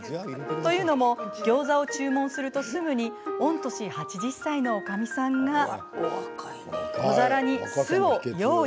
というのもギョーザを注文するとすぐに御年８０歳のおかみさんが小皿に酢を用意。